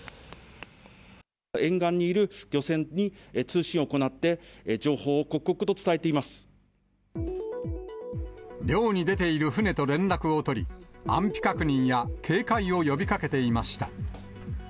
沿岸にいる漁船に通信を行って、漁に出ている船と連絡を取り、安否確認や警戒を呼びかけていました。